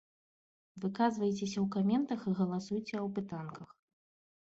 Выказвайцеся ў каментах і галасуйце ў апытанках!